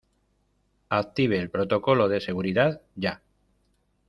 active el protocolo de seguridad ya.